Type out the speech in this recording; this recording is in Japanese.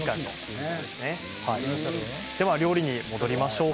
では料理に戻りましょう。